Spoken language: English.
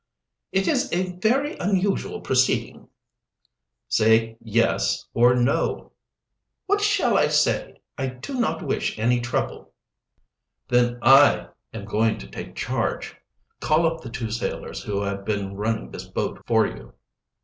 "It is a very unusual proceeding." "Say yes or no." "What shall I say? I do not wish any trouble." "Then I am going to take charge. Call up the two sailors who have been running this boat for you."